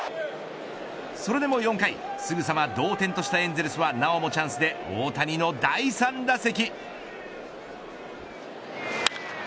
それでも４回、すぐさま同点としたエンゼルスはなおもチャンスで大谷の第３打席。